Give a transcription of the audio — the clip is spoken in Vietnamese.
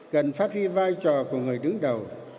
cần phát triển vai trò của người đứng đầu